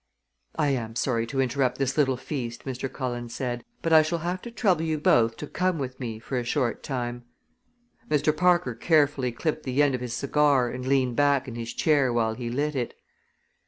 "I am sorry to interrupt this little feast," Mr. Cullen said, "but I shall have to trouble you both to come with me for a short time." Mr. Parker carefully clipped the end of his cigar and leaned back in his chair while he lit it.